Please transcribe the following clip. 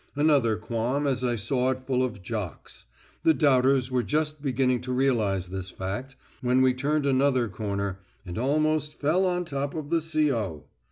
Another qualm as I saw it full of Jocks. The doubters were just beginning to realise this fact, when we turned another corner, and almost fell on top of the C.O.!